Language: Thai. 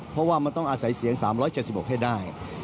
เพราะว่ามันต้องอาศัยเสียง๓๗๖ให้ได้